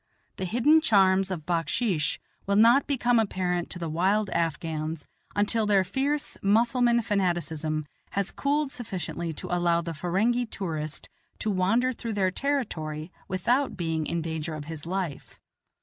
The hidden charms of backsheesh will not become apparent to the wild Afghans until their fierce Mussulman fanaticism has cooled sufficiently to allow the Ferenghi tourist to wander through their territory without being in danger of his life.